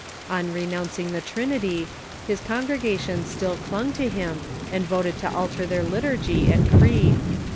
On renouncing the Trinity, his congre gation still clung to him, and voted to alter their liturgy and creed.